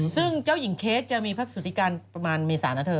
ซึ่งเจ้าหญิงเคนซินตันจะมีภาพสูติการประมาณเมษานะเธอ